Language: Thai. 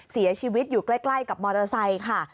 เสียชีวิตอยู่ใกล้กับมอเตอร์ไซค์ค่ะ